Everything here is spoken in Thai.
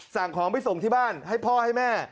สั่งของไปส่งที่บ้านให้พ่อให้แม่